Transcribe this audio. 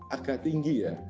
agak tinggi ya